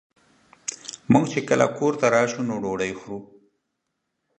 مونږ چې کله کور ته راشو نو ډوډۍ خورو